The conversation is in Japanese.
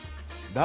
誰？